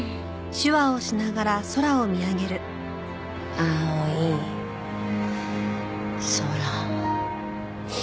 青い空。